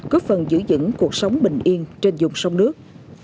cướp phần giữ dững cuộc sống bình yên trên dùng sông nước